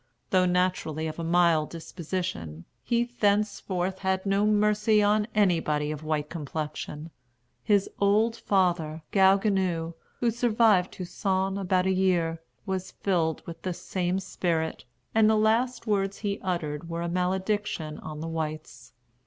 Though naturally of a mild disposition, he thenceforth had no mercy on anybody of white complexion. His old father, Gaou Guinou, who survived Toussaint about a year, was filled with the same spirit, and the last words he uttered were a malediction on the whites.